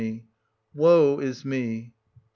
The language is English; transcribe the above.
Woe is me! Po.